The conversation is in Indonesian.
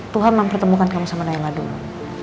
tuhan mempertemukan kamu sama naila dulu